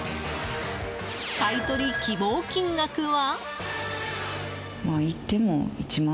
買い取り希望金額は？